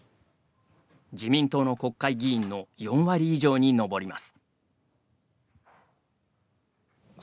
自民党の国会議員の４割以上に上ります。